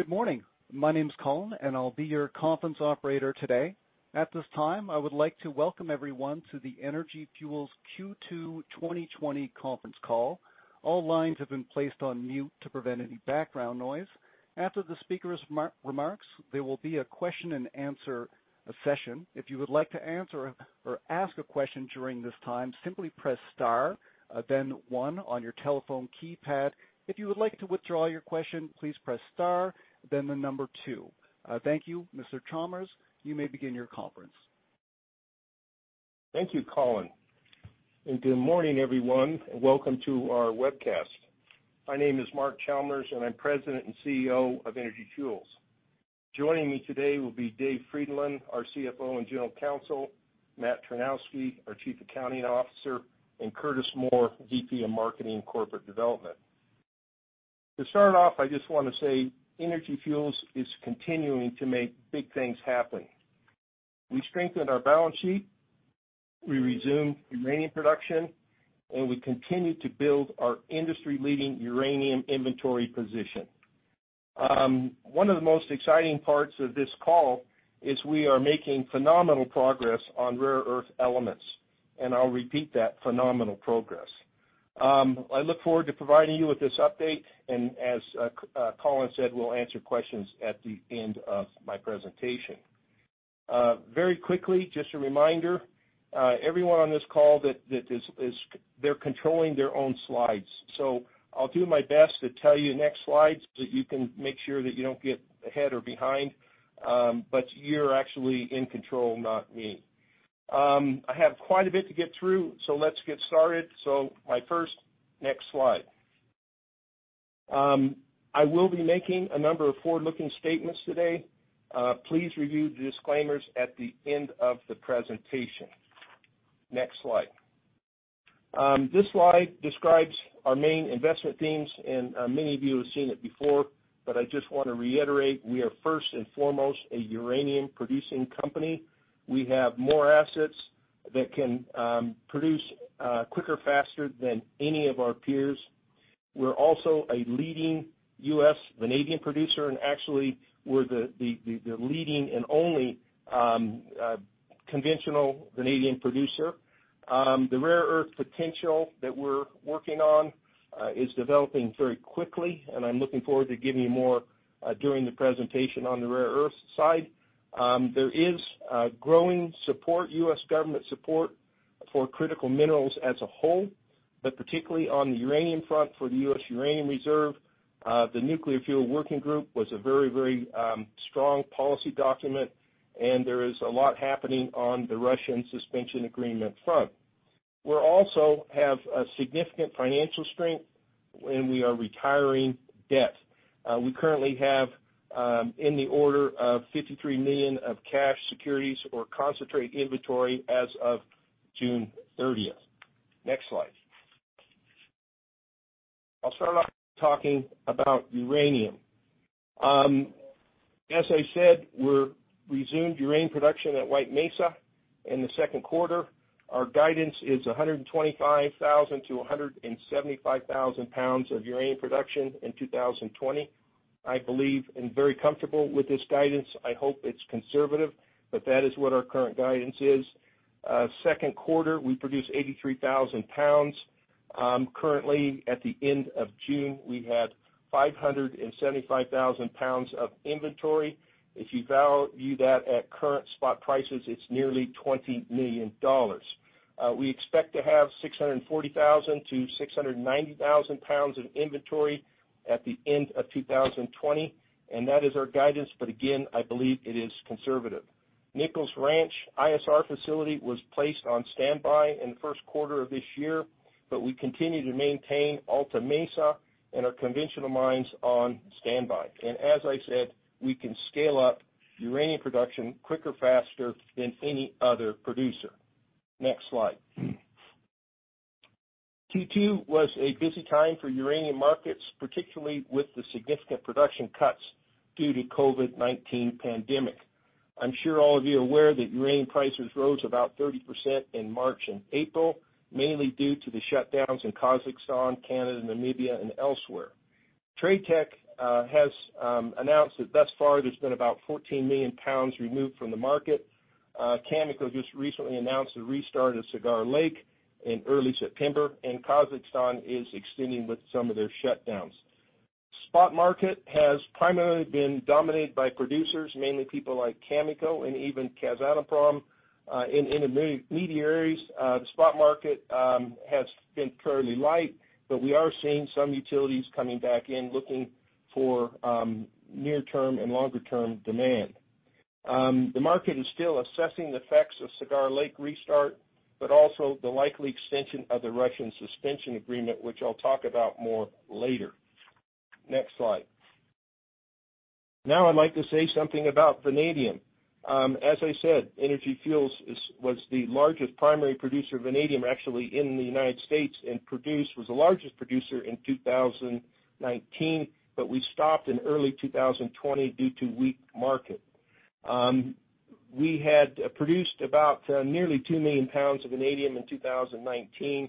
Good morning. My name's Colin, and I'll be your conference operator today. At this time, I would like to welcome everyone to the Energy Fuels Q2 2020 conference call. All lines have been placed on mute to prevent any background noise. After the speaker's remarks, there will be a question-and-answer session. If you would like to answer or ask a question during this time, simply press star, then one on your telephone keypad. If you would like to withdraw your question, please press star, then the number two. Thank you, Mr. Chalmers. You may begin your conference. Thank you, Colin. Good morning, everyone, and welcome to our webcast. My name is Mark Chalmers, and I'm President and CEO of Energy Fuels. Joining me today will be David Frydenlund, our CFO and General Counsel, Matt Tarnowski, our Chief Accounting Officer, and Curtis Moore, VP of Marketing and Corporate Development. To start off, I just want to say Energy Fuels is continuing to make big things happen. We strengthened our balance sheet, we resumed uranium production, and we continue to build our industry-leading uranium inventory position. One of the most exciting parts of this call is we are making phenomenal progress on rare earth elements, and I'll repeat that: phenomenal progress. I look forward to providing you with this update, and as Colin said, we'll answer questions at the end of my presentation. Very quickly, just a reminder, everyone on this call, they're controlling their own slides, so I'll do my best to tell you next slides so that you can make sure that you don't get ahead or behind, but you're actually in control, not me. I have quite a bit to get through, so let's get started. So my first next slide. I will be making a number of forward-looking statements today. Please review the disclaimers at the end of the presentation. Next slide. This slide describes our main investment themes, and many of you have seen it before, but I just want to reiterate, we are first and foremost a uranium-producing company. We have more assets that can produce quicker, faster than any of our peers. We're also a leading U.S. vanadium producer, and actually, we're the leading and only conventional vanadium producer. The rare earth potential that we're working on is developing very quickly, and I'm looking forward to giving you more during the presentation on the rare earth side. There is growing support, U.S. government support, for critical minerals as a whole, but particularly on the uranium front for the U.S. Uranium Reserve. The Nuclear Fuel Working Group was a very, very strong policy document, and there is a lot happening on the Russian Suspension Agreement front. We also have a significant financial strength, and we are retiring debt. We currently have in the order of $53 million of cash securities or concentrate inventory as of June 30th. Next slide. I'll start off talking about uranium. As I said, we resumed uranium production at White Mesa in the second quarter. Our guidance is 125,000-175,000 pounds of uranium production in 2020. I believe and am very comfortable with this guidance. I hope it's conservative, but that is what our current guidance is. Second quarter, we produced 83,000 pounds. Currently, at the end of June, we had 575,000 pounds of inventory. If you value that at current spot prices, it's nearly $20 million. We expect to have 640,000-690,000 pounds of inventory at the end of 2020, and that is our guidance, but again, I believe it is conservative. Nichols Ranch ISR facility was placed on standby in the first quarter of this year, but we continue to maintain Alta Mesa and our conventional mines on standby. And as I said, we can scale up uranium production quicker, faster than any other producer. Next slide. Q2 was a busy time for uranium markets, particularly with the significant production cuts due to the COVID-19 pandemic. I'm sure all of you are aware that uranium prices rose about 30% in March and April, mainly due to the shutdowns in Kazakhstan, Canada, Namibia, and elsewhere. TradeTech has announced that thus far there's been about 14 million pounds removed from the market. Cameco just recently announced the restart of Cigar Lake in early September, and Kazakhstan is extending with some of their shutdowns. Spot market has primarily been dominated by producers, mainly people like Cameco and even Kazatomprom and intermediaries. The spot market has been fairly light, but we are seeing some utilities coming back in looking for near-term and longer-term demand. The market is still assessing the effects of Cigar Lake restart, but also the likely extension of the Russian Suspension Agreement, which I'll talk about more later. Next slide. Now I'd like to say something about vanadium. As I said, Energy Fuels was the largest primary producer of vanadium, actually, in the United States, and we were the largest producer in 2019, but we stopped in early 2020 due to a weak market. We had produced about nearly 2 million pounds of vanadium in 2019.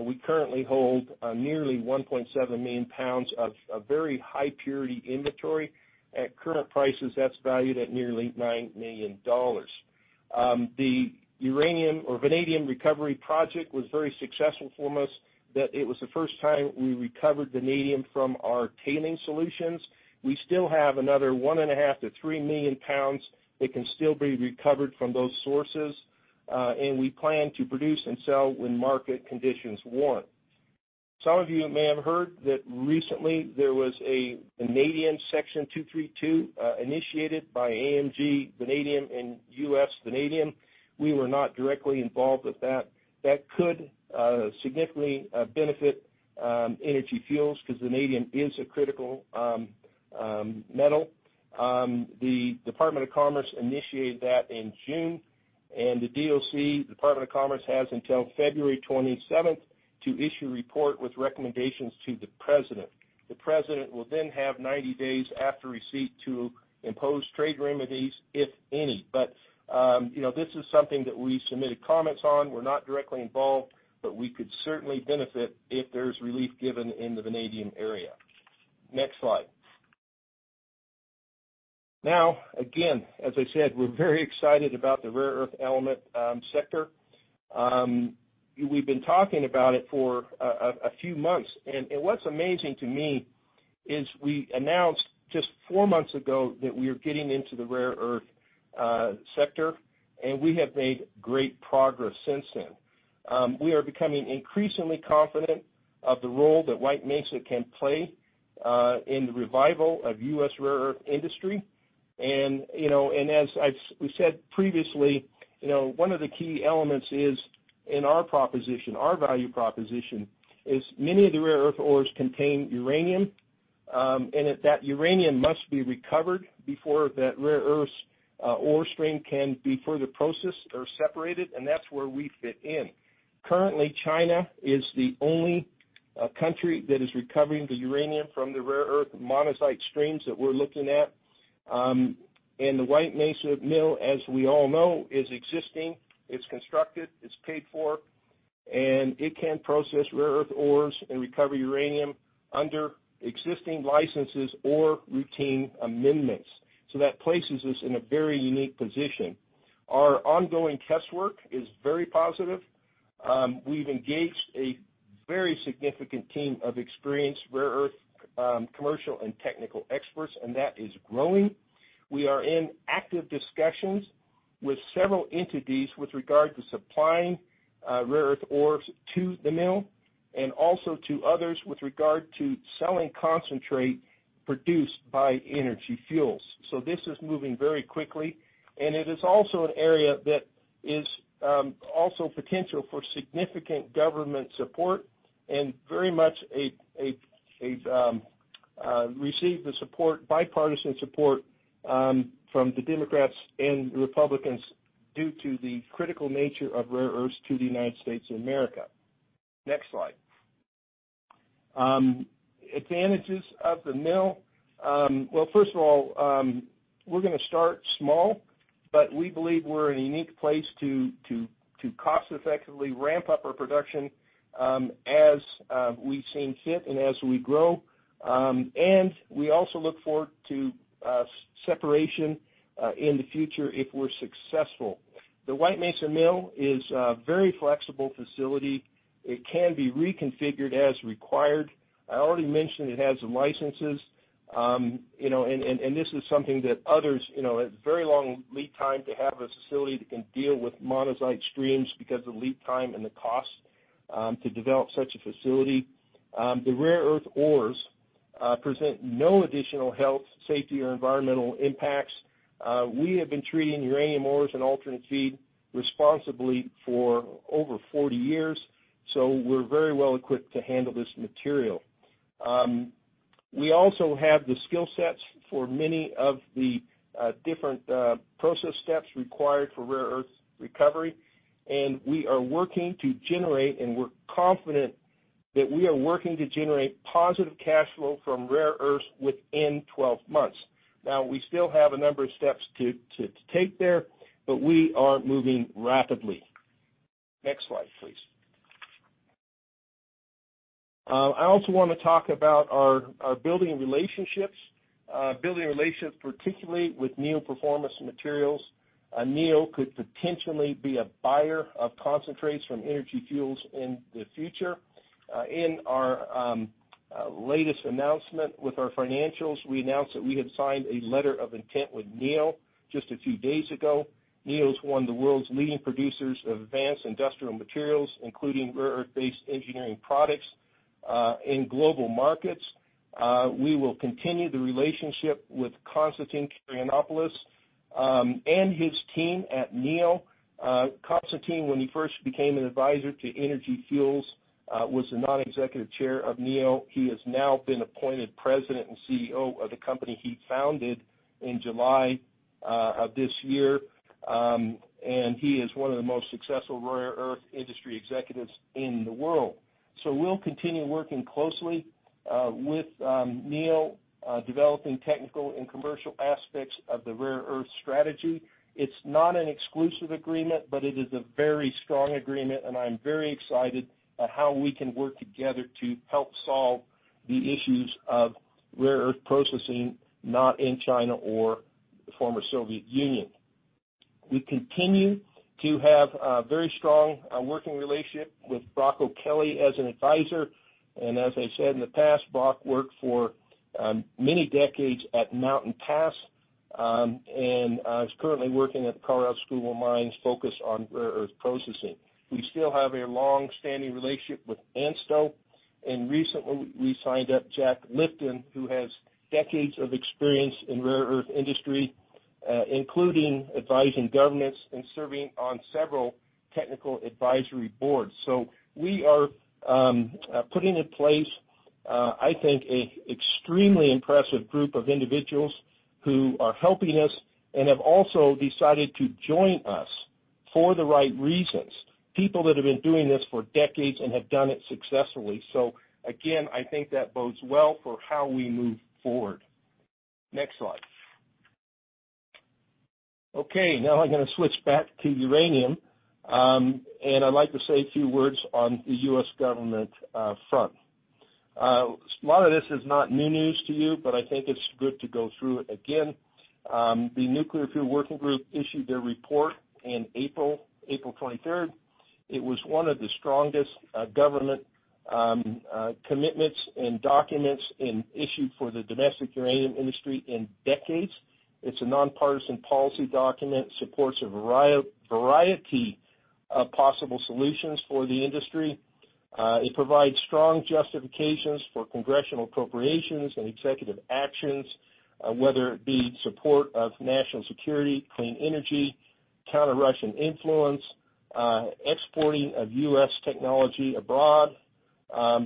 We currently hold nearly 1.7 million pounds of very high-purity inventory. At current prices, that's valued at nearly $9 million. The uranium or vanadium recovery project was very successful for us, that it was the first time we recovered vanadium from our tailing solutions. We still have another 1.5-3 million pounds that can still be recovered from those sources, and we plan to produce and sell when market conditions warrant. Some of you may have heard that recently there was a vanadium Section 232 initiated by AMG Vanadium and U.S. Vanadium. We were not directly involved with that. That could significantly benefit Energy Fuels because vanadium is a critical metal. The Department of Commerce initiated that in June, and the DOC, the Department of Commerce, has until February 27th to issue a report with recommendations to the president. The president will then have 90 days after receipt to impose trade remedies, if any. But this is something that we submitted comments on. We're not directly involved, but we could certainly benefit if there's relief given in the vanadium area. Next slide. Now, again, as I said, we're very excited about the rare earth element sector. We've been talking about it for a few months, and what's amazing to me is we announced just four months ago that we are getting into the rare earth sector, and we have made great progress since then. We are becoming increasingly confident of the role that White Mesa Mill can play in the revival of U.S. rare earth industry. And as we said previously, one of the key elements is in our proposition, our value proposition, is many of the rare earth ores contain uranium, and that uranium must be recovered before that rare earth ore stream can be further processed or separated, and that's where we fit in. Currently, China is the only country that is recovering the uranium from the rare earth monazite streams that we're looking at. And the White Mesa Mill, as we all know, is existing. It's constructed, it's paid for, and it can process rare earth ores and recover uranium under existing licenses or routine amendments. So that places us in a very unique position. Our ongoing test work is very positive. We've engaged a very significant team of experienced rare earth commercial and technical experts, and that is growing. We are in active discussions with several entities with regard to supplying rare earth ores to the mill and also to others with regard to selling concentrate produced by Energy Fuels. So this is moving very quickly, and it is also an area that is also potential for significant government support and very much received the bipartisan support from the Democrats and Republicans due to the critical nature of rare earths to the United States of America. Next slide. Advantages of the mill. Well, first of all, we're going to start small, but we believe we're in a unique place to cost-effectively ramp up our production as we've seen fit and as we grow. And we also look forward to separation in the future if we're successful. The White Mesa Mill is a very flexible facility. It can be reconfigured as required. I already mentioned it has licenses, and this is something that others have a very long lead time to have a facility that can deal with monazite streams because of the lead time and the cost to develop such a facility. The rare earth ores present no additional health, safety, or environmental impacts. We have been treating uranium ores and Alternate Feed responsibly for over 40 years, so we're very well equipped to handle this material. We also have the skill sets for many of the different process steps required for rare earth recovery, and we are working to generate, and we're confident that we are working to generate positive cash flow from rare earth within 12 months. Now, we still have a number of steps to take there, but we are moving rapidly. Next slide, please. I also want to talk about our building relationships, building relationships particularly with Neo Performance Materials. Neo Performance Materials could potentially be a buyer of concentrates from Energy Fuels in the future. In our latest announcement with our financials, we announced that we had signed a letter of intent with Neo Performance Materials just a few days ago. Neo Performance Materials has one of the world's leading producers of advanced industrial materials, including rare earth-based engineering products in global markets. We will continue the relationship with Constantine Karayannopoulos and his team at Neo Performance Materials. Constantine, when he first became an advisor to Energy Fuels, was the non-executive chair of Neo Performance Materials. He has now been appointed President and CEO of the company he founded in July of this year, and he is one of the most successful rare earth industry executives in the world. So we'll continue working closely with Neo, developing technical and commercial aspects of the rare earth strategy. It's not an exclusive agreement, but it is a very strong agreement, and I'm very excited about how we can work together to help solve the issues of rare earth processing, not in China or the former Soviet Union. We continue to have a very strong working relationship with Brock O'Kelley as an advisor, and as I said in the past, Brock worked for many decades at Mountain Pass and is currently working at the Colorado School of Mines focused on rare earth processing. We still have a long-standing relationship with ANSTO, and recently we signed up Jack Lifton, who has decades of experience in the rare earth industry, including advising governments and serving on several technical advisory boards. So we are putting in place, I think, an extremely impressive group of individuals who are helping us and have also decided to join us for the right reasons, people that have been doing this for decades and have done it successfully. So again, I think that bodes well for how we move forward. Next slide. Okay. Now I'm going to switch back to uranium, and I'd like to say a few words on the U.S. government front. A lot of this is not new news to you, but I think it's good to go through it again. The Nuclear Fuel Working Group issued their report on April 23rd. It was one of the strongest government commitments and documents issued for the domestic uranium industry in decades. It's a nonpartisan policy document. It supports a variety of possible solutions for the industry. It provides strong justifications for congressional appropriations and executive actions, whether it be support of national security, clean energy, counter-Russian influence, exporting of U.S. technology abroad,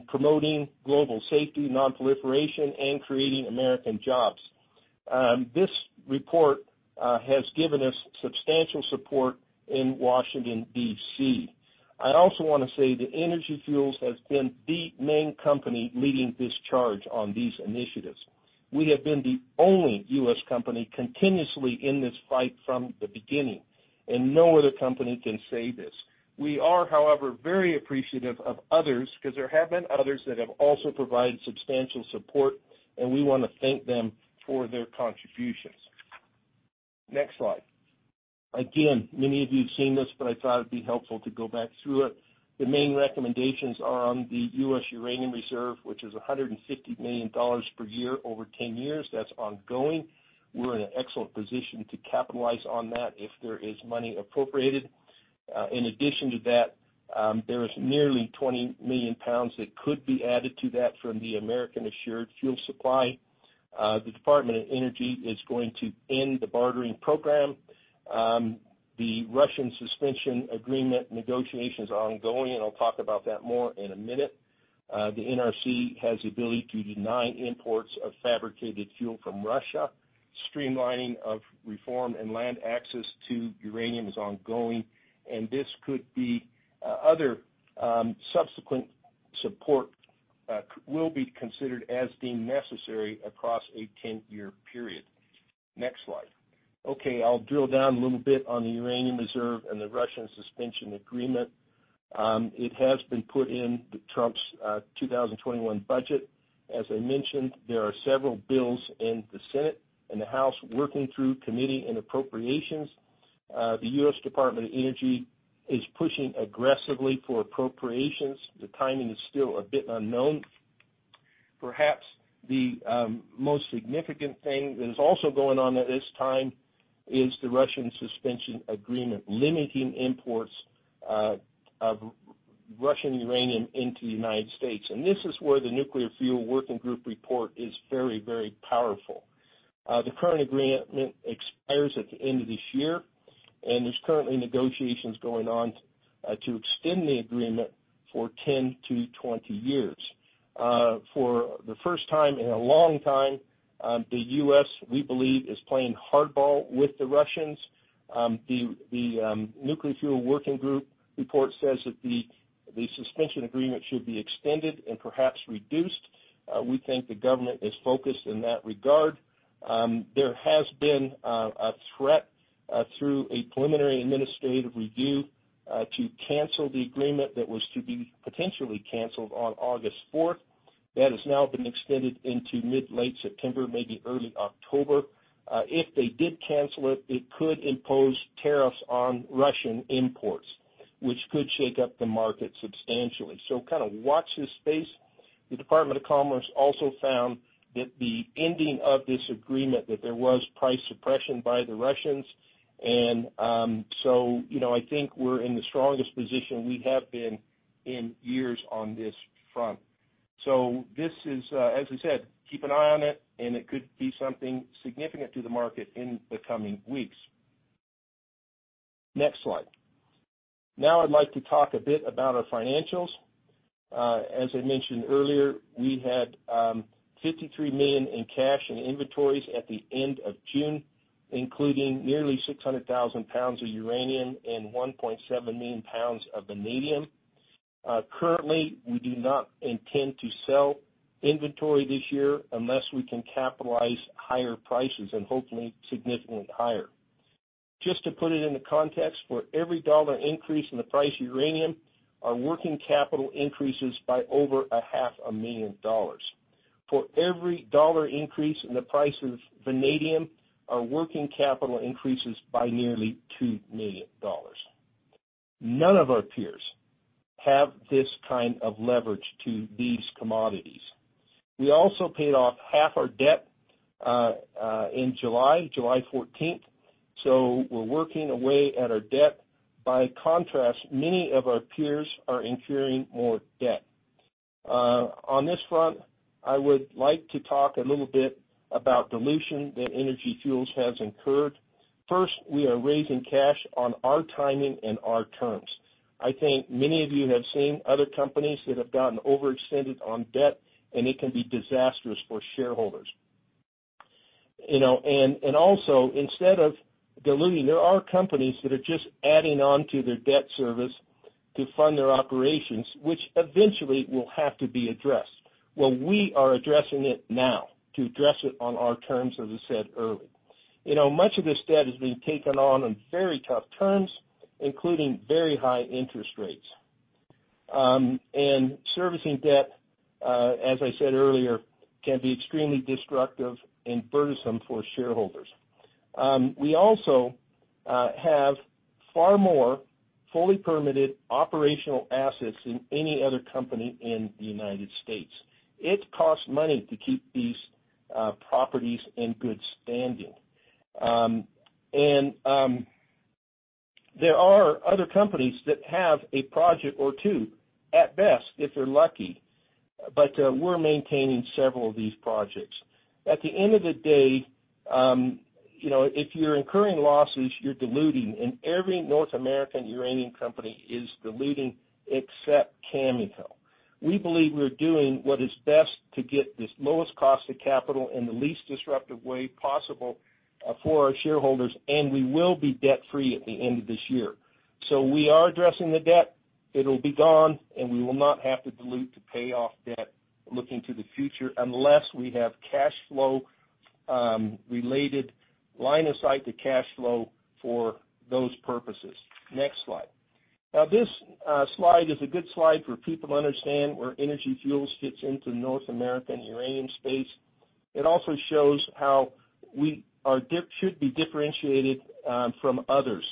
promoting global safety, non-proliferation, and creating American jobs. This report has given us substantial support in Washington, D.C. I also want to say that Energy Fuels has been the main company leading this charge on these initiatives. We have been the only U.S. company continuously in this fight from the beginning, and no other company can say this. We are, however, very appreciative of others because there have been others that have also provided substantial support, and we want to thank them for their contributions. Next slide. Again, many of you have seen this, but I thought it'd be helpful to go back through it. The main recommendations are on the U.S. uranium reserve, which is $150 million per year over 10 years. That's ongoing. We're in an excellent position to capitalize on that if there is money appropriated. In addition to that, there is nearly 20 million pounds that could be added to that from the American Assured Fuel Supply. The Department of Energy is going to end the bartering program. The Russian Suspension Agreement negotiations are ongoing, and I'll talk about that more in a minute. The NRC has the ability to deny imports of fabricated fuel from Russia. Streamlining of reform and land access to uranium is ongoing, and this could be other subsequent support will be considered as deemed necessary across a 10-year period. Next slide. Okay. I'll drill down a little bit on the uranium reserve and the Russian Suspension Agreement. It has been put in Trump's 2021 budget. As I mentioned, there are several bills in the Senate and the House working through committee and appropriations. The U.S. Department of Energy is pushing aggressively for appropriations. The timing is still a bit unknown. Perhaps the most significant thing that is also going on at this time is the Russian Suspension Agreement limiting imports of Russian uranium into the United States. This is where the Nuclear Fuel Working Group report is very, very powerful. The current agreement expires at the end of this year, and there's currently negotiations going on to extend the agreement for 10 to 20 years. For the first time in a long time, the U.S., we believe, is playing hardball with the Russians. The Nuclear Fuel Working Group report says that the suspension agreement should be extended and perhaps reduced. We think the government is focused in that regard. There has been a threat through a preliminary administrative review to cancel the agreement that was to be potentially canceled on August 4th. That has now been extended into mid-late September, maybe early October. If they did cancel it, it could impose tariffs on Russian imports, which could shake up the market substantially. So kind of watch this space. The Department of Commerce also found that the ending of this agreement, that there was price suppression by the Russians. And so I think we're in the strongest position we have been in years on this front. So this is, as I said, keep an eye on it, and it could be something significant to the market in the coming weeks. Next slide. Now I'd like to talk a bit about our financials. As I mentioned earlier, we had $53 million in cash and inventories at the end of June, including nearly 600,000 pounds of uranium and 1.7 million pounds of vanadium. Currently, we do not intend to sell inventory this year unless we can capitalize higher prices and hopefully significantly higher. Just to put it into context, for every dollar increase in the price of uranium, our working capital increases by over $500,000. For every dollar increase in the price of vanadium, our working capital increases by nearly $2 million. None of our peers have this kind of leverage to these commodities. We also paid off half our debt in July 14th. So we're working away at our debt. By contrast, many of our peers are incurring more debt. On this front, I would like to talk a little bit about dilution that Energy Fuels has incurred. First, we are raising cash on our timing and our terms. I think many of you have seen other companies that have gotten overextended on debt, and it can be disastrous for shareholders. Also, instead of diluting, there are companies that are just adding on to their debt service to fund their operations, which eventually will have to be addressed. Well, we are addressing it now to address it on our terms, as I said earlier. Much of this debt is being taken on on very tough terms, including very high interest rates. Servicing debt, as I said earlier, can be extremely destructive and burdensome for shareholders. We also have far more fully permitted operational assets than any other company in the United States. It costs money to keep these properties in good standing. There are other companies that have a project or two at best, if they're lucky, but we're maintaining several of these projects. At the end of the day, if you're incurring losses, you're diluting, and every North American uranium company is diluting except Cameco. We believe we're doing what is best to get this lowest cost of capital in the least disruptive way possible for our shareholders, and we will be debt-free at the end of this year. So we are addressing the debt. It'll be gone, and we will not have to dilute to pay off debt looking to the future unless we have cash flow-related line of sight to cash flow for those purposes. Next slide. Now, this slide is a good slide for people to understand where Energy Fuels fits into the North American uranium space. It also shows how we should be differentiated from others.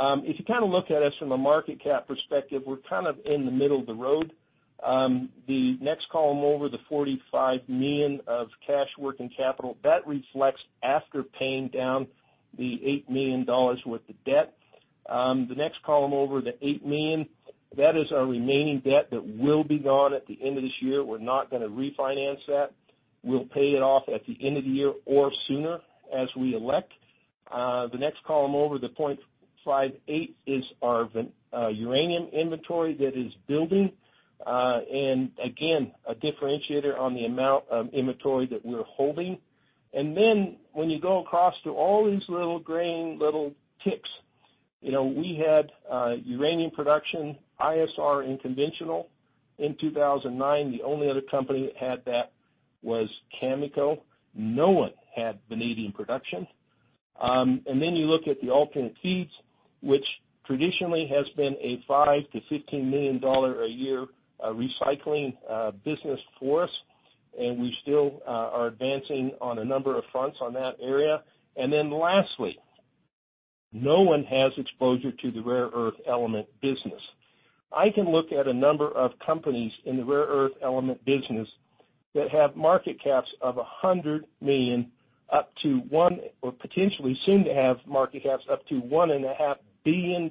If you kind of look at us from a market cap perspective, we're kind of in the middle of the road. The next column over, the $45 million of cash working capital, that reflects after paying down the $8 million worth of debt. The next column over, the $8 million, that is our remaining debt that will be gone at the end of this year. We're not going to refinance that. We'll pay it off at the end of the year or sooner as we elect. The next column over, the 0.58 is our uranium inventory that is building. And again, a differentiator on the amount of inventory that we're holding. And then when you go across to all these little green little ticks, we had uranium production, ISR, and conventional in 2009. The only other company that had that was Cameco. No one had vanadium production. Then you look at the alternate feeds, which traditionally has been a $5 million-$15 million a year recycling business for us, and we still are advancing on a number of fronts on that area. Then lastly, no one has exposure to the rare earth element business. I can look at a number of companies in the rare earth element business that have market caps of $100 million up to $1 billion or potentially soon to have market caps up to $1.5 billion.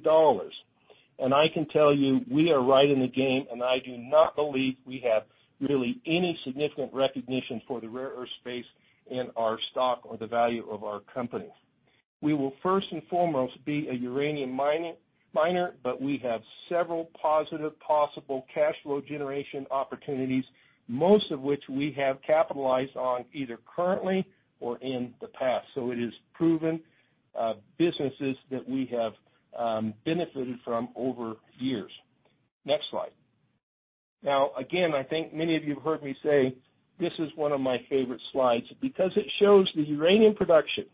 I can tell you we are right in the game, and I do not believe we have really any significant recognition for the rare earth space in our stock or the value of our company. We will first and foremost be a uranium miner, but we have several positive possible cash flow generation opportunities, most of which we have capitalized on either currently or in the past. So it is proven businesses that we have benefited from over years. Next slide. Now, again, I think many of you have heard me say this is one of my favorite slides because it shows the uranium production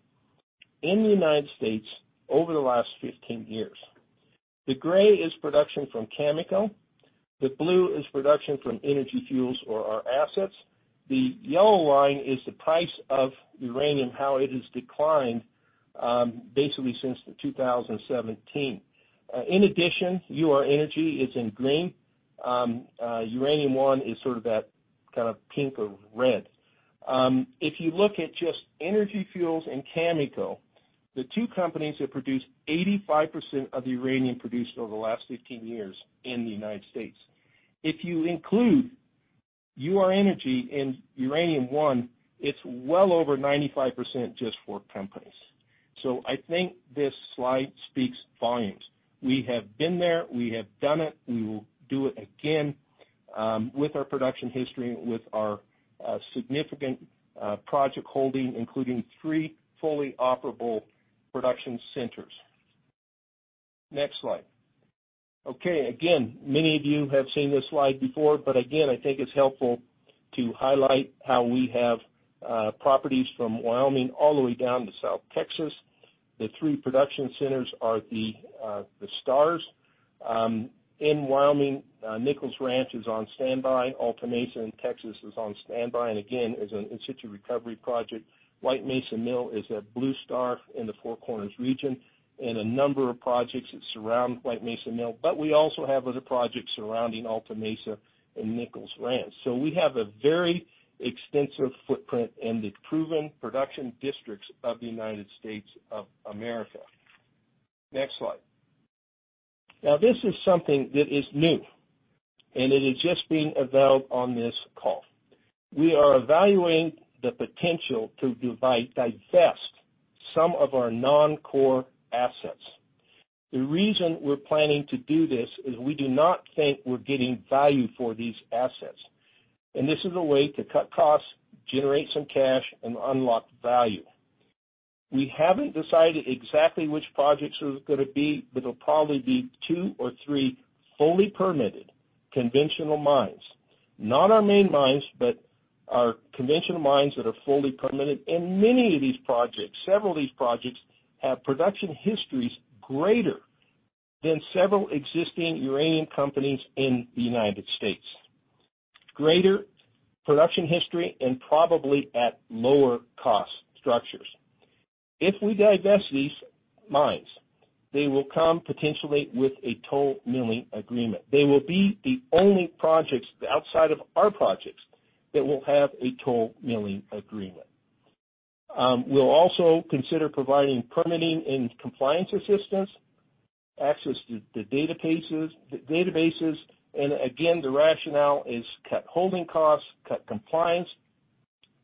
in the United States over the last 15 years. The gray is production from Cameco. The blue is production from Energy Fuels or our assets. The yellow line is the price of uranium, how it has declined basically since 2017. In addition, Ur-Energy is in green. Uranium One is sort of that kind of pink or red. If you look at just Energy Fuels and Cameco, the two companies that produce 85% of the uranium produced over the last 15 years in the United States. If you include Ur-Energy and Uranium One, it's well over 95% just for companies. So I think this slide speaks volumes. We have been there. We have done it. We will do it again with our production history, with our significant project holding, including three fully operable production centers. Next slide. Okay. Again, many of you have seen this slide before, but again, I think it's helpful to highlight how we have properties from Wyoming all the way down to South Texas. The three production centers are the stars. In Wyoming, Nichols Ranch is on standby. Alta Mesa in Texas is on standby. And again, as an in-situ recovery project, White Mesa Mill is a blue star in the Four Corners region and a number of projects that surround White Mesa Mill. But we also have other projects surrounding Alta Mesa and Nichols Ranch. So we have a very extensive footprint and the proven production districts of the United States of America. Next slide. Now, this is something that is new, and it is just being availed on this call. We are evaluating the potential to divest some of our non-core assets. The reason we're planning to do this is we do not think we're getting value for these assets. And this is a way to cut costs, generate some cash, and unlock value. We haven't decided exactly which projects it was going to be, but it'll probably be two or three fully permitted conventional mines. Not our main mines, but our conventional mines that are fully permitted. Many of these projects, several of these projects have production histories greater than several existing uranium companies in the United States. Greater production history and probably at lower cost structures. If we divest these mines, they will come potentially with a toll milling agreement. They will be the only projects outside of our projects that will have a toll milling agreement. We'll also consider providing permitting and compliance assistance, access to the databases. Again, the rationale is cut holding costs, cut compliance,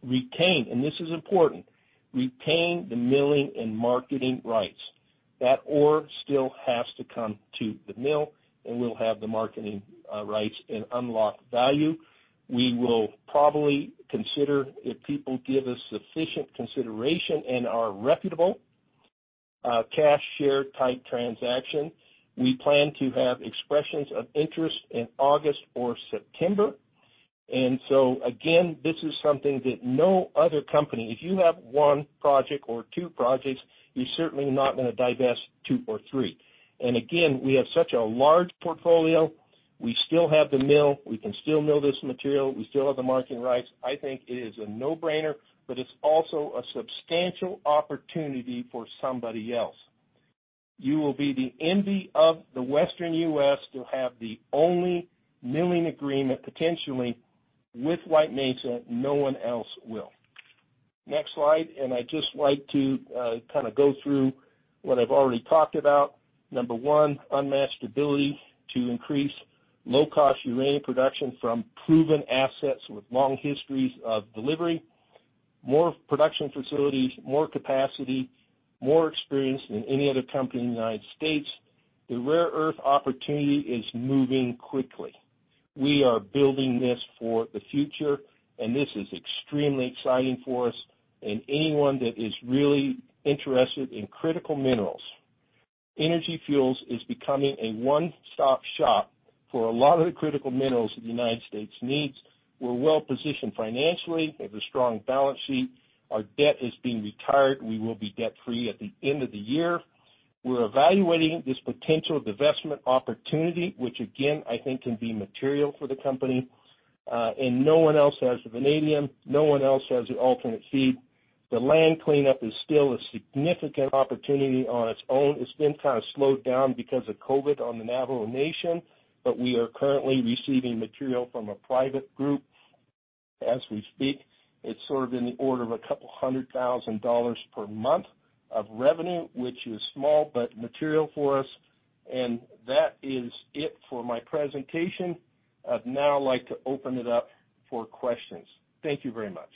retain, and this is important, retain the milling and marketing rights. That ore still has to come to the mill, and we'll have the marketing rights and unlock value. We will probably consider if people give us sufficient consideration and are reputable cash share type transaction. We plan to have expressions of interest in August or September. And so again, this is something that no other company, if you have 1 project or 2 projects, you're certainly not going to divest 2 or 3. And again, we have such a large portfolio. We still have the mill. We can still mill this material. We still have the marketing rights. I think it is a no-brainer, but it's also a substantial opportunity for somebody else. You will be the envy of the Western U.S. to have the only milling agreement potentially with White Mesa. No one else will. Next slide. And I'd just like to kind of go through what I've already talked about. Number 1, unmatched ability to increase low-cost uranium production from proven assets with long histories of delivery. More production facilities, more capacity, more experience than any other company in the United States. The rare earth opportunity is moving quickly. We are building this for the future, and this is extremely exciting for us. Anyone that is really interested in critical minerals, Energy Fuels is becoming a one-stop shop for a lot of the critical minerals that the United States needs. We're well-positioned financially. We have a strong balance sheet. Our debt has been retired. We will be debt-free at the end of the year. We're evaluating this potential divestment opportunity, which again, I think can be material for the company. No one else has the vanadium. No one else has the alternate feed. The land cleanup is still a significant opportunity on its own. It's been kind of slowed down because of COVID on the Navajo Nation, but we are currently receiving material from a private group as we speak. It's sort of in the order of $200,000 per month of revenue, which is small but material for us. That is it for my presentation. I'd now like to open it up for questions. Thank you very much.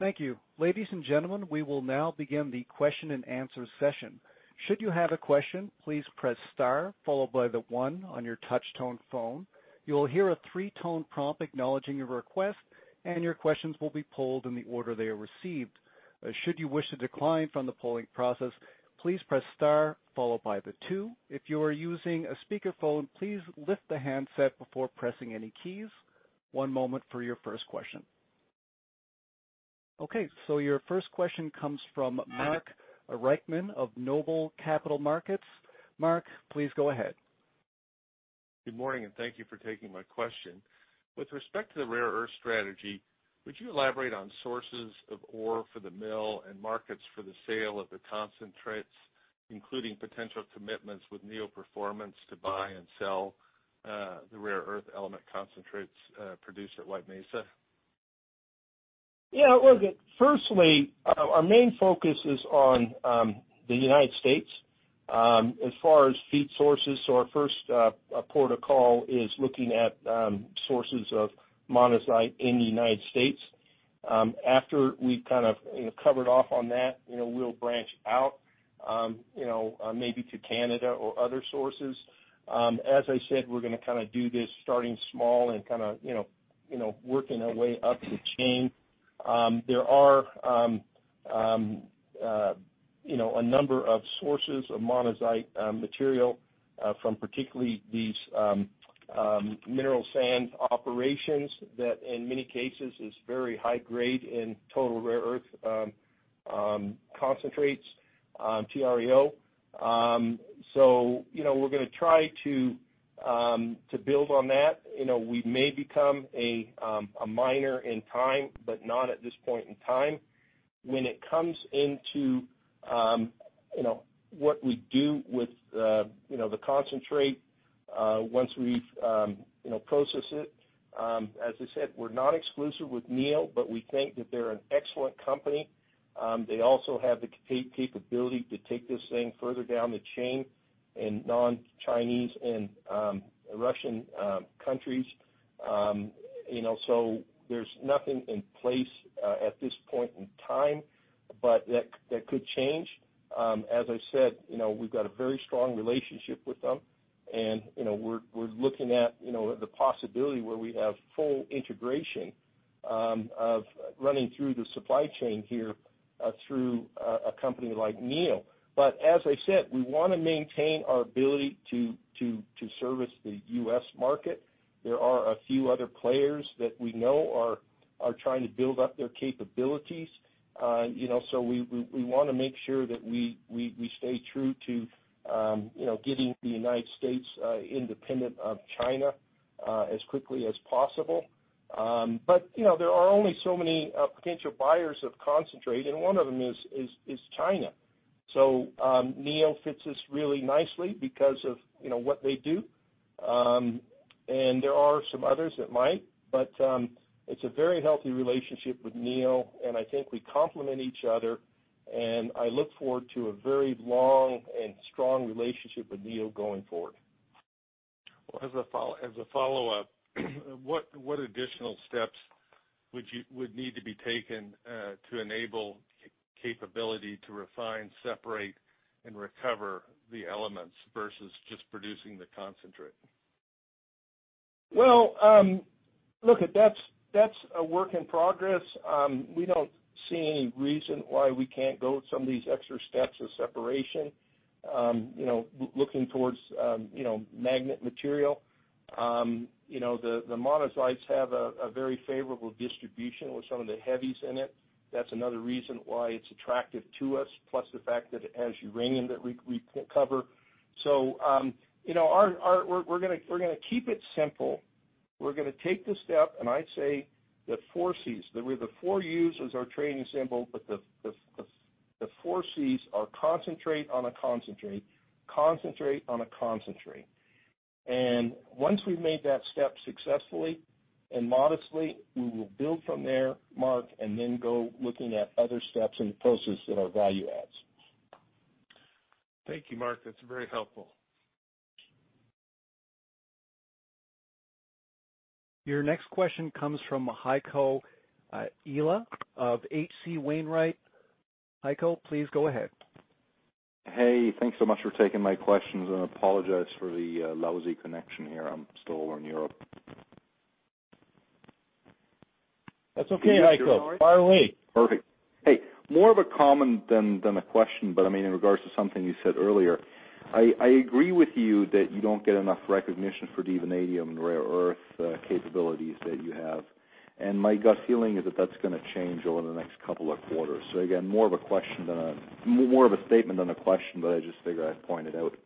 Thank you. Ladies and gentlemen, we will now begin the question and answer session. Should you have a question, please press star followed by the one on your touch-tone phone. You will hear a three-tone prompt acknowledging your request, and your questions will be polled in the order they are received. Should you wish to decline from the polling process, please press star followed by the two. If you are using a speakerphone, please lift the handset before pressing any keys. One moment for your first question. Okay. So your first question comes from Mark Reichman of Noble Capital Markets. Mark, please go ahead. Good morning, and thank you for taking my question. With respect to the rare earth strategy, would you elaborate on sources of ore for the mill and markets for the sale of the concentrates, including potential commitments with Neo Performance to buy and sell the rare earth element concentrates produced at White Mesa? Yeah. Well, firstly, our main focus is on the United States as far as feed sources. So our first port of call is looking at sources of monazite in the United States. After we've kind of covered off on that, we'll branch out maybe to Canada or other sources. As I said, we're going to kind of do this starting small and kind of working our way up the chain. There are a number of sources of monazite material from particularly these mineral sand operations that in many cases is very high-grade in total rare earth concentrates, TREO. So we're going to try to build on that. We may become a miner in time, but not at this point in time. When it comes into what we do with the concentrate once we've processed it, as I said, we're not exclusive with Neo, but we think that they're an excellent company. They also have the capability to take this thing further down the chain in non-Chinese and non-Russian countries. So there's nothing in place at this point in time, but that could change. As I said, we've got a very strong relationship with them, and we're looking at the possibility where we have full integration of running through the supply chain here through a company like Neo. But as I said, we want to maintain our ability to service the U.S. market. There are a few other players that we know are trying to build up their capabilities. So we want to make sure that we stay true to getting the United States independent of China as quickly as possible. But there are only so many potential buyers of concentrate, and one of them is China. So Neo fits this really nicely because of what they do. And there are some others that might, but it's a very healthy relationship with Neo, and I think we complement each other. And I look forward to a very long and strong relationship with Neo going forward. Well, as a follow-up, what additional steps would need to be taken to enable capability to refine, separate, and recover the elements versus just producing the concentrate? Well, look, that's a work in progress. We don't see any reason why we can't go with some of these extra steps of separation, looking towards magnet material. The monazites have a very favorable distribution with some of the heavies in it. That's another reason why it's attractive to us, plus the fact that it has uranium that we cover. So we're going to keep it simple. We're going to take the step, and I'd say the four C's, the four U's is our trading symbol, but the four C's are concentrate on a concentrate, concentrate on a concentrate. And once we've made that step successfully and modestly, we will build from there, Mark, and then go looking at other steps and processes that are value adds. Thank you, Mark. That's very helpful. Your next question comes from Heiko Ihle of H.C. Wainwright. Heiko, please go ahead. Hey, thanks so much for taking my questions. I apologize for the lousy connection here. I'm still over in Europe. That's okay, Heiko. Far away. Perfect. Hey, more of a comment than a question, but I mean, in regards to something you said earlier, I agree with you that you don't get enough recognition for the vanadium and rare earth capabilities that you have. And my gut feeling is that that's going to change over the next couple of quarters. So again, more of a question than a more of a statement than a question, but I just figured I'd point it out.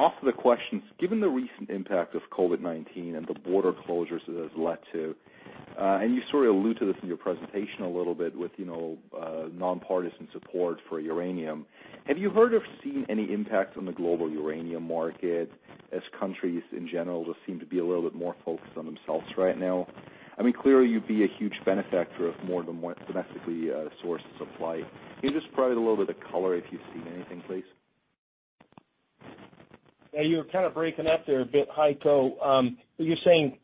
Off of the questions, given the recent impact of COVID-19 and the border closures it has led to, and you sort of alluded to this in your presentation a little bit with nonpartisan support for uranium, have you heard or seen any impact on the global uranium market as countries in general just seem to be a little bit more focused on themselves right now? I mean, clearly, you'd be a huge benefactor of more domestically sourced supply. Can you just provide a little bit of color if you've seen anything, please? Yeah, you were kind of breaking up there a bit, Heiko. You're saying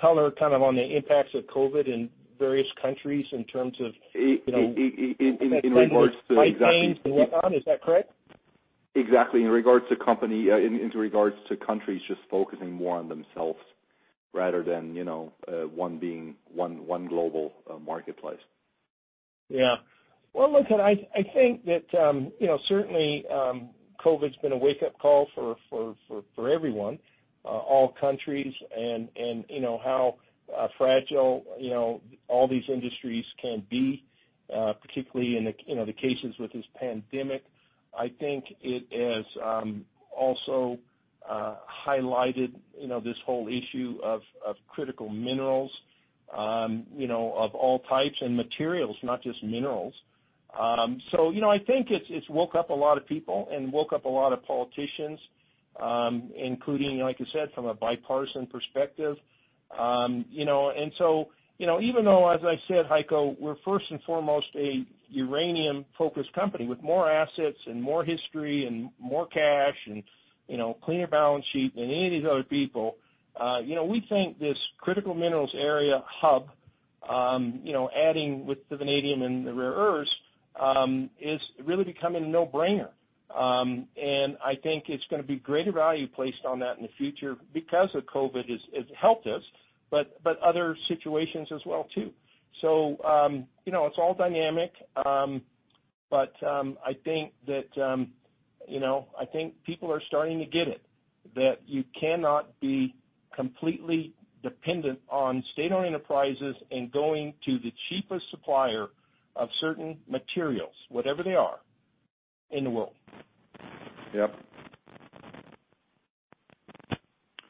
color kind of on the impacts of COVID in various countries in terms of. In regards to exactly. White Mesa, White Plains, and whatnot. Is that correct? Exactly. In regards to company, in regards to countries just focusing more on themselves rather than one global marketplace. Yeah. Well, look, I think that certainly COVID's been a wake-up call for everyone, all countries, and how fragile all these industries can be, particularly in the cases with this pandemic. I think it has also highlighted this whole issue of critical minerals of all types and materials, not just minerals. So I think it's woke up a lot of people and woke up a lot of politicians, including, like I said, from a bipartisan perspective. And so even though, as I said, Heiko, we're first and foremost a uranium-focused company with more assets and more history and more cash and cleaner balance sheet than any of these other people, we think this critical minerals area hub, adding with the vanadium and the rare earths, is really becoming a no-brainer. And I think it's going to be greater value placed on that in the future because of COVID has helped us, but other situations as well too. So it's all dynamic, but I think that I think people are starting to get it that you cannot be completely dependent on state-owned enterprises and going to the cheapest supplier of certain materials, whatever they are, in the world. Yep.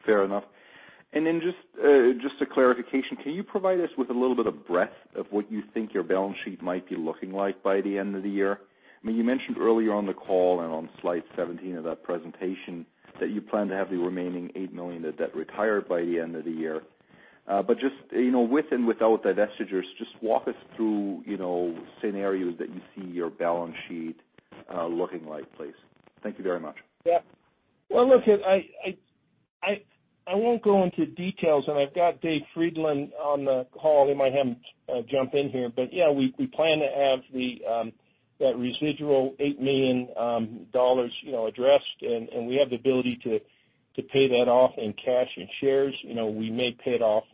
Fair enough. And then just a clarification, can you provide us with a little bit of breadth of what you think your balance sheet might be looking like by the end of the year? I mean, you mentioned earlier on the call and on slide 17 of that presentation that you plan to have the remaining $8 million that retired by the end of the year. But just with and without divestitures, just walk us through scenarios that you see your balance sheet looking like, please. Thank you very much. Yep. Well, look, I won't go into details, and I've got David Frydenlund on the call. He might have to jump in here. But yeah, we plan to have that residual $8 million addressed, and we have the ability to pay that off in cash and shares. We may pay it off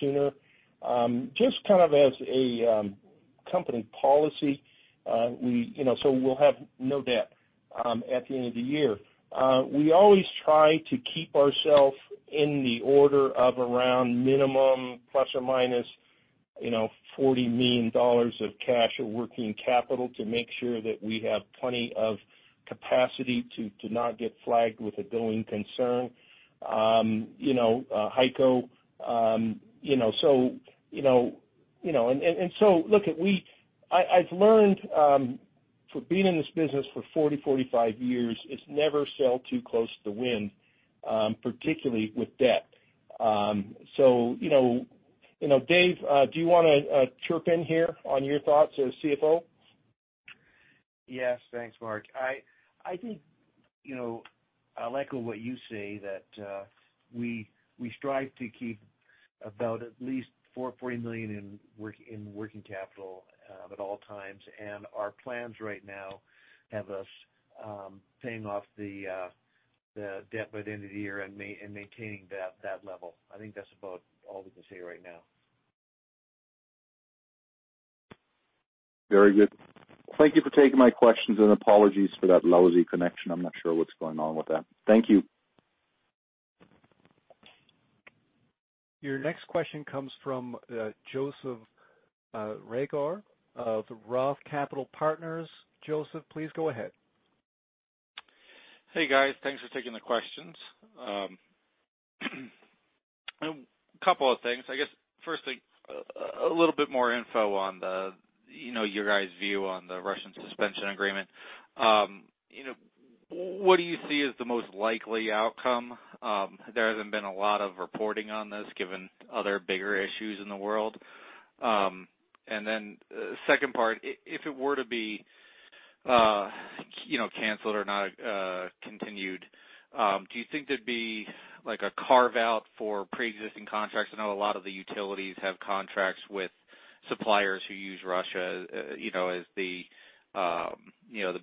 sooner. Just kind of as a company policy, so we'll have no debt at the end of the year. We always try to keep ourselves in the order of around minimum ±$40 million of cash or working capital to make sure that we have plenty of capacity to not get flagged with a going concern. Heiko, so and so look, I've learned for being in this business for 40, 45 years, it's never sell too close to the wind, particularly with debt. So Dave, do you want to chime in here on your thoughts as CFO? Yes. Thanks, Mark. I think I'll echo what you say that we strive to keep about at least $40 million in working capital at all times. And our plans right now have us paying off the debt by the end of the year and maintaining that level. I think that's about all we can say right now. Very good. Thank you for taking my questions and apologies for that lousy connection. I'm not sure what's going on with that. Thank you. Your next question comes from Joseph Reagor of Roth Capital Partners. Joseph, please go ahead. Hey, guys. Thanks for taking the questions. A couple of things. I guess first thing, a little bit more info on your guys' view on the Russian Suspension Agreement. What do you see as the most likely outcome? There hasn't been a lot of reporting on this given other bigger issues in the world. And then second part, if it were to be canceled or not continued, do you think there'd be a carve-out for pre-existing contracts? I know a lot of the utilities have contracts with suppliers who use Russia as the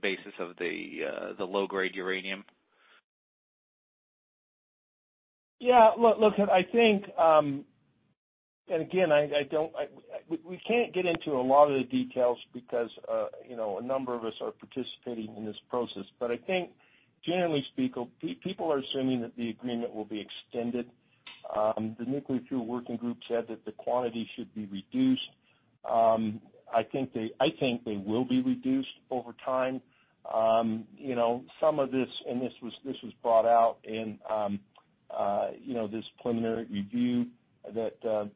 basis of the low-grade uranium. Yeah. Look, I think, and again, we can't get into a lot of the details because a number of us are participating in this process. But I think, generally speaking, people are assuming that the agreement will be extended. The Nuclear Fuel Working Group said that the quantity should be reduced. I think they will be reduced over time. Some of this, and this was brought out in this preliminary review, that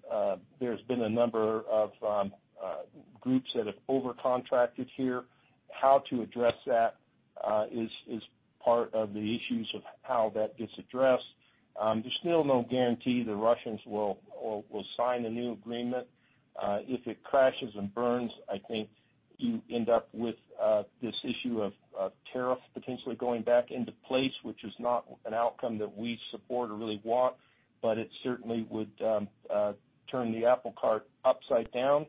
there's been a number of groups that have overcontracted here. How to address that is part of the issues of how that gets addressed. There's still no guarantee the Russians will sign a new agreement. If it crashes and burns, I think you end up with this issue of tariffs potentially going back into place, which is not an outcome that we support or really want, but it certainly would turn the apple cart upside down.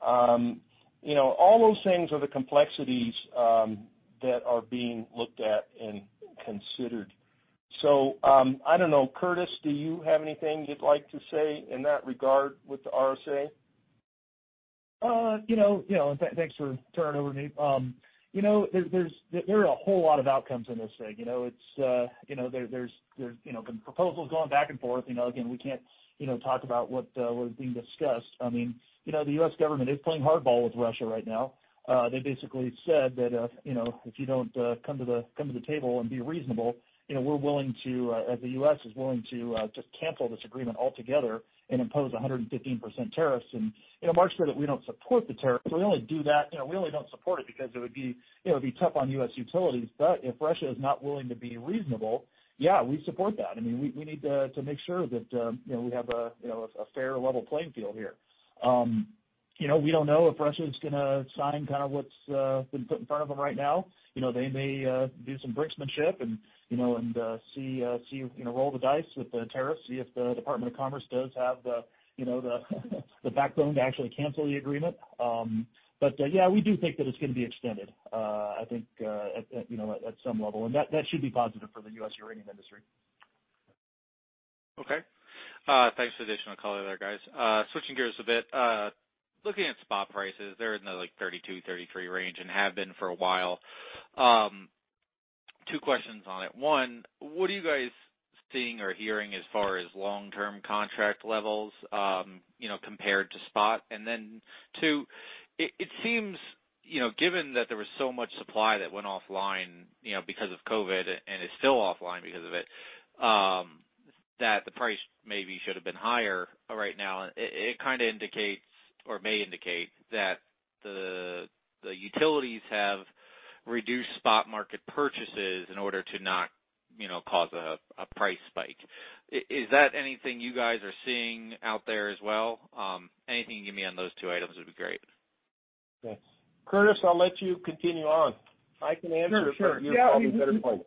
All those things are the complexities that are being looked at and considered. So I don't know. Curtis, do you have anything you'd like to say in that regard with the RSA? Thanks for turning over to me. There are a whole lot of outcomes in this thing. It's. There's been proposals going back and forth. Again, we can't talk about what is being discussed. I mean, the U.S. government is playing hardball with Russia right now. They basically said that if you don't come to the table and be reasonable, we're willing to, as the U.S. is willing to just cancel this agreement altogether and impose 115% tariffs. And Mark said that we don't support the tariffs. We only do that; we only don't support it because it would be tough on U.S. utilities. But if Russia is not willing to be reasonable, yeah, we support that. I mean, we need to make sure that we have a fair level playing field here. We don't know if Russia is going to sign kind of what's been put in front of them right now. They may do some brinksmanship and see roll the dice with the tariffs, see if the Department of Commerce does have the backbone to actually cancel the agreement. But yeah, we do think that it's going to be extended, I think, at some level. And that should be positive for the U.S. uranium industry. Okay. Thanks for the additional color there, guys. Switching gears a bit, looking at spot prices, they're in the $32-$33 range and have been for a while. Two questions on it. One, what are you guys seeing or hearing as far as long-term contract levels compared to spot? And then two, it seems given that there was so much supply that went offline because of COVID and is still offline because of it, that the price maybe should have been higher right now. It kind of indicates or may indicate that the utilities have reduced spot market purchases in order to not cause a price spike. Is that anything you guys are seeing out there as well? Anything you can give me on those two items would be great. Okay. Curtis, I'll let you continue on. I can answer your probably better point.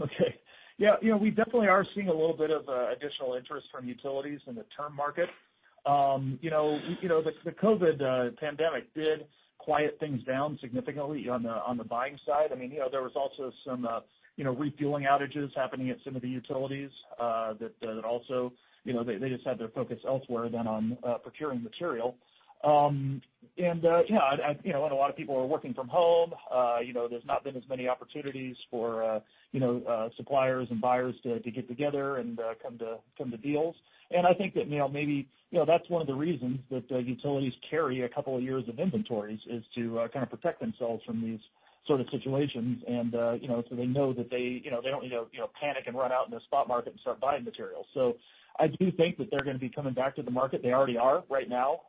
Okay. Yeah. We definitely are seeing a little bit of additional interest from utilities in the term market. The COVID pandemic did quiet things down significantly on the buying side. I mean, there was also some refueling outages happening at some of the utilities that also they just had their focus elsewhere than on procuring material. And yeah, and a lot of people are working from home. There's not been as many opportunities for suppliers and buyers to get together and come to deals. I think that maybe that's one of the reasons that utilities carry a couple of years of inventories is to kind of protect themselves from these sort of situations so they know that they don't need to panic and run out in the spot market and start buying material. So I do think that they're going to be coming back to the market. They already are right now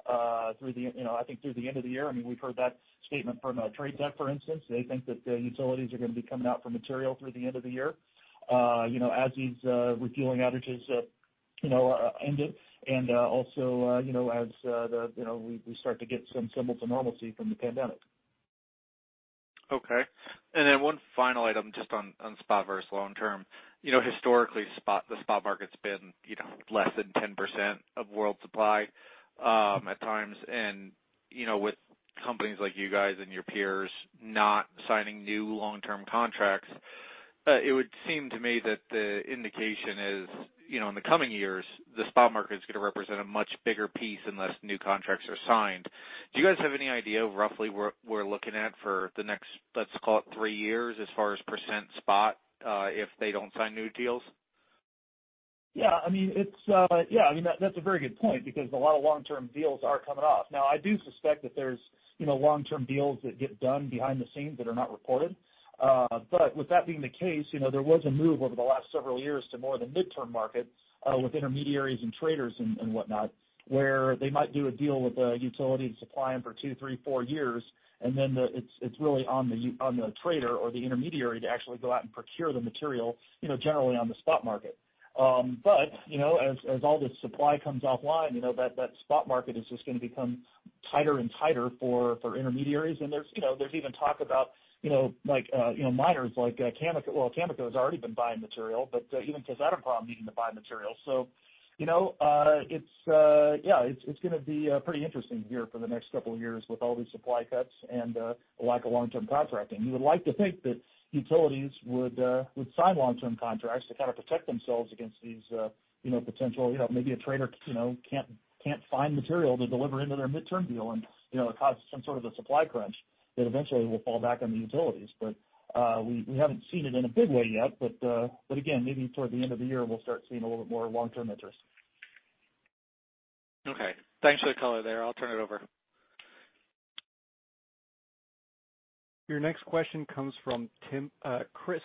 through the I think through the end of the year. I mean, we've heard that statement from TradeTech, for instance. They think that the utilities are going to be coming out for material through the end of the year as these refueling outages ended and also as we start to get some symbols of normalcy from the pandemic. Okay. And then one final item just on spot versus long-term. Historically, the spot market's been less than 10% of world supply at times. With companies like you guys and your peers not signing new long-term contracts, it would seem to me that the indication is in the coming years, the spot market is going to represent a much bigger piece unless new contracts are signed. Do you guys have any idea roughly what we're looking at for the next, let's call it, three years as far as percent spot if they don't sign new deals? Yeah. I mean, yeah, I mean, that's a very good point because a lot of long-term deals are coming off. Now, I do suspect that there's long-term deals that get done behind the scenes that are not reported. But with that being the case, there was a move over the last several years to more of the midterm market with intermediaries and traders and whatnot where they might do a deal with a utility and supply them for 2, 3, 4 years, and then it's really on the trader or the intermediary to actually go out and procure the material generally on the spot market. But as all this supply comes offline, that spot market is just going to become tighter and tighter for intermediaries. And there's even talk about miners like Cameco. Well, Cameco has already been buying material, but even because I don't probably need to buy material. So yeah, it's going to be pretty interesting here for the next couple of years with all these supply cuts and lack of long-term contracting. You would like to think that utilities would sign long-term contracts to kind of protect themselves against these potential, maybe a trader can't find material to deliver into their midterm deal and cause some sort of a supply crunch that eventually will fall back on the utilities. But we haven't seen it in a big way yet. But again, maybe toward the end of the year, we'll start seeing a little bit more long-term interest. Okay. Thanks for the color there. I'll turn it over. Your next question comes from Chris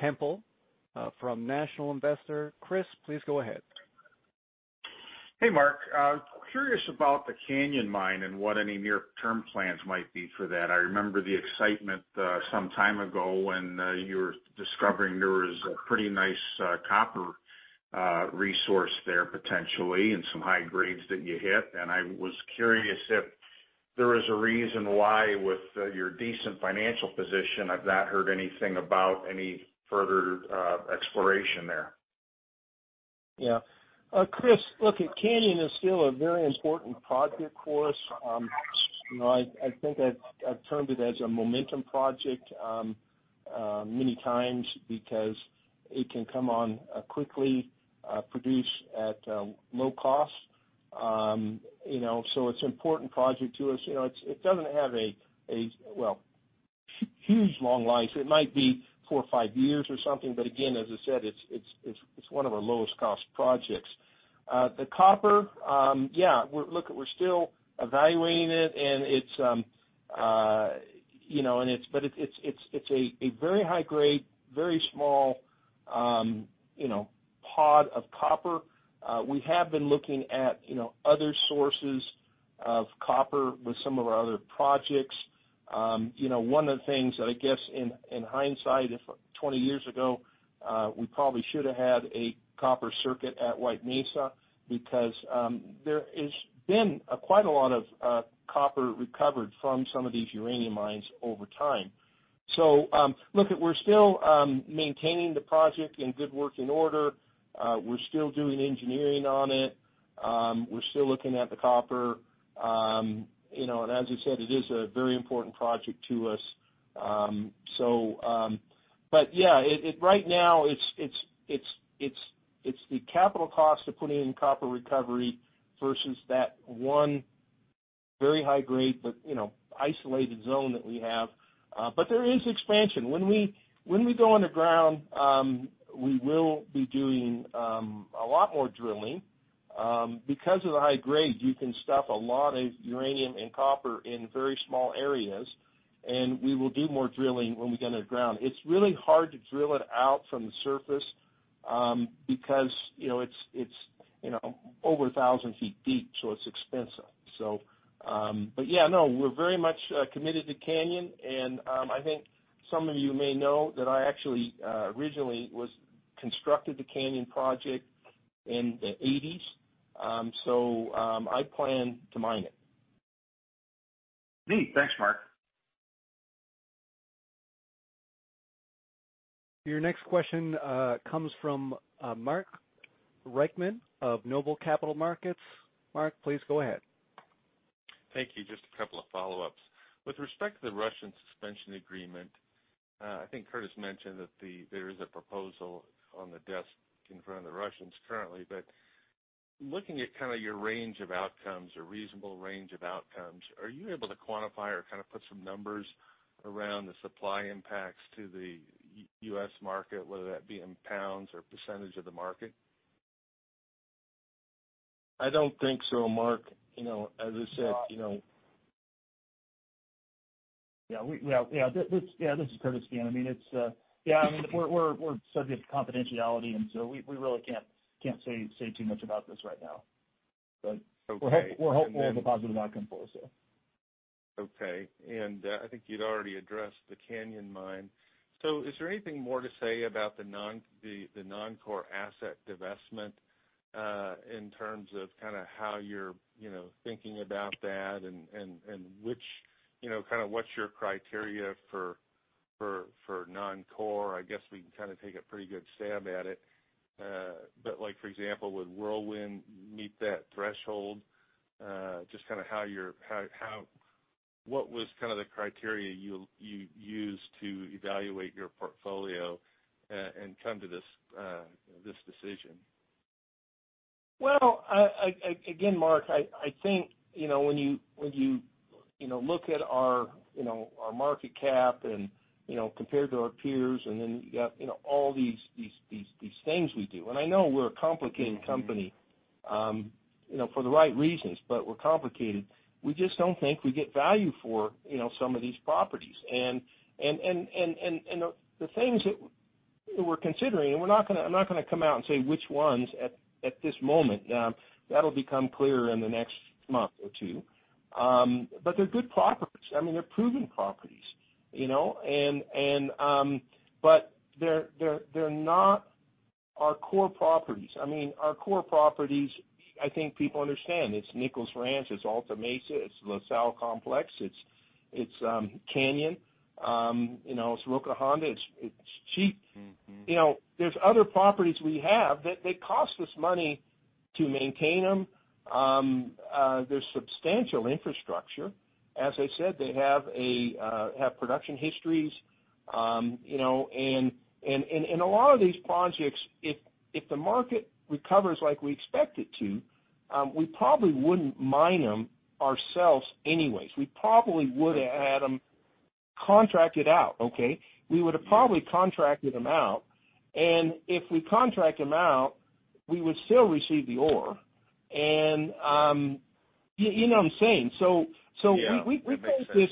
Temple from The National Investor. Chris, please go ahead. Hey, Mark. Curious about the Canyon Mine and what any near-term plans might be for that. I remember the excitement some time ago when you were discovering there was a pretty nice copper resource there potentially and some high grades that you hit. I was curious if there is a reason why with your decent financial position, I've not heard anything about any further exploration there. Yeah. Chris, look, Canyon is still a very important project for us. I think I've termed it as a momentum project many times because it can come on quickly, produce at low cost. So it's an important project to us. It doesn't have a, well, huge long life. It might be 4 or 5 years or something. But again, as I said, it's one of our lowest cost projects. The copper, yeah, look, we're still evaluating it, and it's but it's a very high-grade, very small pod of copper. We have been looking at other sources of copper with some of our other projects. One of the things that I guess in hindsight, 20 years ago, we probably should have had a copper circuit at White Mesa because there has been quite a lot of copper recovered from some of these uranium mines over time. So look, we're still maintaining the project in good working order. We're still doing engineering on it. We're still looking at the copper. And as I said, it is a very important project to us. But yeah, right now, it's the capital cost of putting in copper recovery versus that one very high-grade but isolated zone that we have. But there is expansion. When we go underground, we will be doing a lot more drilling. Because of the high grade, you can stuff a lot of uranium and copper in very small areas, and we will do more drilling when we get underground. It's really hard to drill it out from the surface because it's over 1,000 feet deep, so it's expensive. But yeah, no, we're very much committed to Canyon. And I think some of you may know that I actually originally constructed the Canyon project in the 1980s. So I plan to mine it. Neat. Thanks, Mark. Your next question comes from Mark Reichman of Noble Capital Markets. Mark, please go ahead. Thank you. Just a couple of follow-ups. With respect to the Russian Suspension Agreement, I think Curtis mentioned that there is a proposal on the desk in front of the Russians currently. But looking at kind of your range of outcomes or reasonable range of outcomes, are you able to quantify or kind of put some numbers around the supply impacts to the U.S. market, whether that be in pounds or percentage of the market? I don't think so, Mark. As I said. Yeah. Yeah. Yeah. This is Curtis again. I mean, yeah, I mean, we're subject to confidentiality, and so we really can't say too much about this right now. But we're hopeful of a positive outcome for us, so. Okay. And I think you'd already addressed the Canyon Mine. So is there anything more to say about the non-core asset divestment in terms of kind of how you're thinking about that and kind of what's your criteria for non-core? I guess we can kind of take a pretty good stab at it. But for example, would Whirlwind meet that threshold? Just kind of what was kind of the criteria you used to evaluate your portfolio and come to this decision? Well, again, Mark, I think when you look at our market cap and compared to our peers, and then you got all these things we do. And I know we're a complicated company for the right reasons, but we're complicated. We just don't think we get value for some of these properties. And the things that we're considering, and I'm not going to come out and say which ones at this moment. That'll become clearer in the next month or two. But they're good properties. I mean, they're proven properties. But they're not our core properties. I mean, our core properties, I think people understand. It's Nichols Ranch. It's Alta Mesa. It's La Sal Complex. It's Canyon. It's Roca Honda. It's Sheep. There's other properties we have that cost us money to maintain them. There's substantial infrastructure. As I said, they have production histories. And in a lot of these projects, if the market recovers like we expect it to, we probably wouldn't mine them ourselves anyways. We probably would have had them contracted out, okay? We would have probably contracted them out. And if we contract them out, we would still receive the ore. And you know what I'm saying? So we think this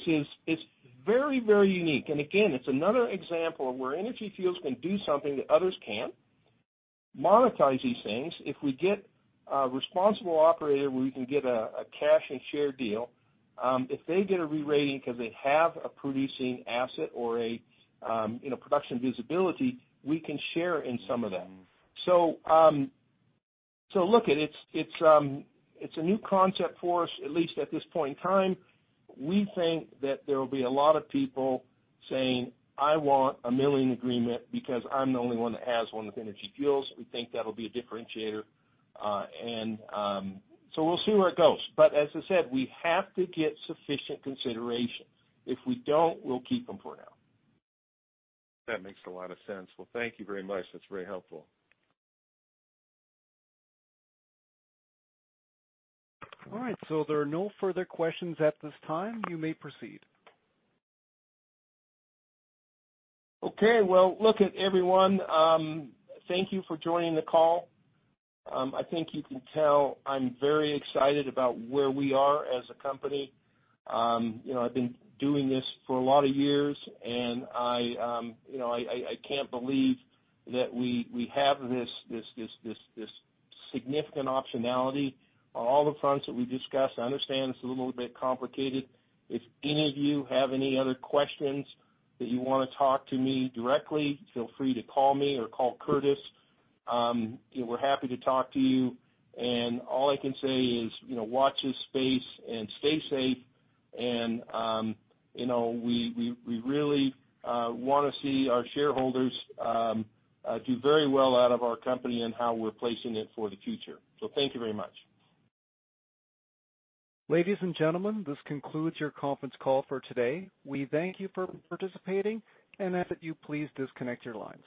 is very, very unique. And again, it's another example of where Energy Fuels can do something that others can't, monetize these things. If we get a responsible operator where we can get a cash and share deal, if they get a re-rating because they have a producing asset or a production visibility, we can share in some of that. So look, it's a new concept for us, at least at this point in time. We think that there will be a lot of people saying, "I want a milling agreement because I'm the only one that has one with Energy Fuels." We think that'll be a differentiator. And so we'll see where it goes. But as I said, we have to get sufficient consideration. If we don't, we'll keep them for now. That makes a lot of sense. Well, thank you very much. That's very helpful. All right. So there are no further questions at this time. You may proceed. Okay. Well, look, everyone, thank you for joining the call. I think you can tell I'm very excited about where we are as a company. I've been doing this for a lot of years, and I can't believe that we have this significant optionality on all the fronts that we discussed. I understand it's a little bit complicated. If any of you have any other questions that you want to talk to me directly, feel free to call me or call Curtis. We're happy to talk to you. All I can say is watch this space and stay safe. We really want to see our shareholders do very well out of our company and how we're placing it for the future. Thank you very much. Ladies and gentlemen, this concludes your conference call for today. We thank you for participating, and I ask that you please disconnect your lines.